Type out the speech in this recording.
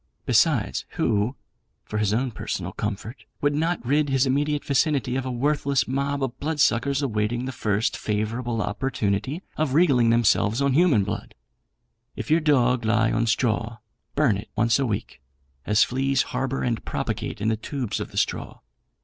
Besides, who (for his own personal comfort), would not rid his immediate vicinity of a worthless mob of blood suckers awaiting the first favourable opportunity of regaling themselves on human blood? If your dog lie on straw, burn it once a week, as fleas harbour and propagate in the tubes of the straw.